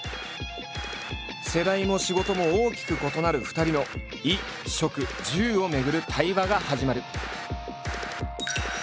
世代も仕事も大きく異なる２人の衣・食・住をめぐる対話が始まる！